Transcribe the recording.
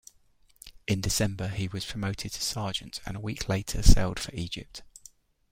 In December, he was promoted to sergeant and a week later sailed for Egypt.